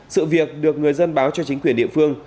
sự việc được người dân báo cho chính quyền địa phương